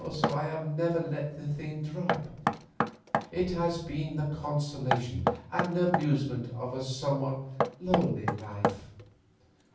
Also, I have never let the thing drop; it has been the consolation and amusement of a somewhat lonely life.